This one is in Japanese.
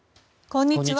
こんにちは。